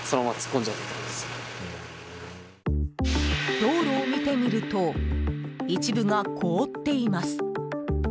道路を見てみると一部が凍っています。